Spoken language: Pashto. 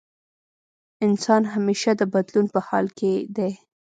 انسان همېشه د بدلون په حال کې دی.